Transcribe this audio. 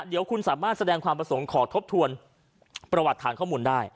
เดี๋ยวคุณสามารถแสดงความประสงค์ขอทบทวนประวัติฐานข้อมูลได้